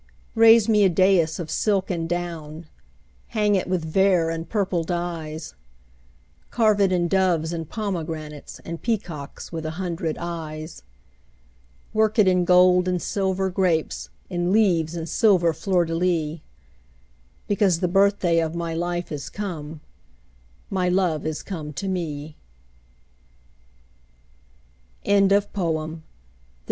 Raise me a dais of silk and down; Hang it with vair and purple dyes; Carve it in doves and pomegranates, And peacocks with a hundred eyes; Work it in gold and silver grapes, In leaves and silver fleurs de lys; Because the birthday of my life Is come, my love is come to me.